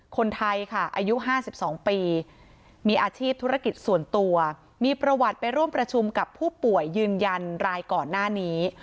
คนไทยค่ะอายุ๕๒ปีมีอาชีพธุรกิจส่วนตัวมีประวัติไปร่วมประชุมกับผู้ป่วยยืนยันรายก่อนหน้านี้